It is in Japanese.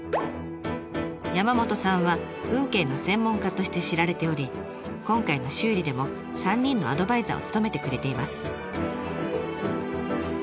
山本さんは運慶の専門家として知られており今回の修理でも３人のアドバイザーを務めてくれています。